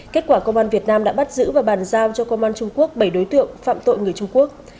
kết quả công an việt nam đã bắt giữ và bàn giao cho công an trung quốc bảy đối tượng phạm tội người trung quốc